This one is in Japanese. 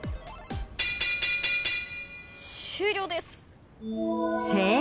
終了です。